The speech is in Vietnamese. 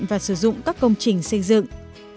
và sử dụng các công trình xây dựng